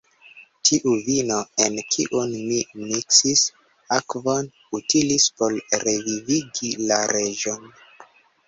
Tiu vino, en kiun ni miksis akvon, utilis por revivigi la reĝon.